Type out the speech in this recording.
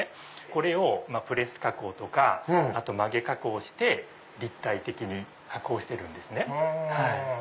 これをプレス加工とか曲げ加工をして立体的に加工してるんですね。